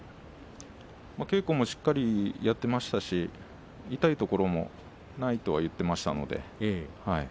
稽古もしっかりやっていましたし痛いところもないと言っていましたので。